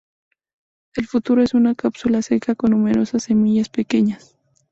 El fruto es una cápsula seca con numerosas semillas pequeñas.